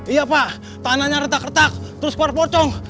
iya pak tanahnya retak retak terus por pocong